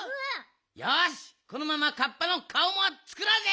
よしこのままカッパのかおもつくろうぜ！